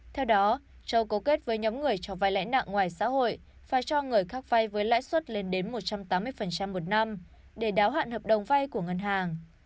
theo đó châu cấu kết với nhóm người cho vai lãi nặng ngoài xã hội và cho người khác vay với lãi suất lên đến một trăm tám mươi một năm để đáo hạn hợp đồng vay của ngân hàng